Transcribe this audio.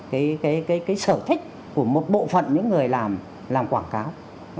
cái cái cái cái sở thích của một bộ phận những người làm làm quảng cáo